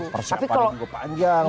persiapan yang panjang